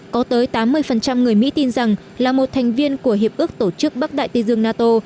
có tới tám mươi người mỹ tin rằng là một thành viên của hiệp ước tổ chức bắc đại tây dương nato